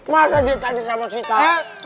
masa dia tadi sama cita